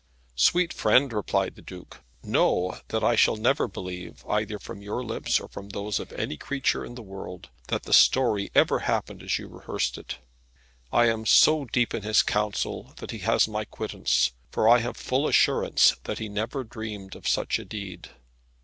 "Sweet friend," replied the Duke, "know that I shall never believe either from your lips or from those of any creature in the world that the story ever happened as you rehearsed it. I am so deep in his counsel that he has my quittance, for I have full assurance that he never dreamed of such a deed.